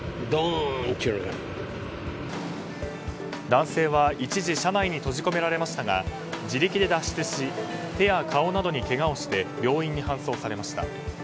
男性は一時車内に閉じ込められましたが自力で脱出し手や顔などにけがをして病院に搬送されました。